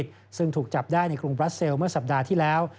ซึ่งถูกจับได้ในกรุงบราเซลเมื่อสัปดาห์ที่แล้ว